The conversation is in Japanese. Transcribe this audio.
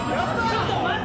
ちょっと待って！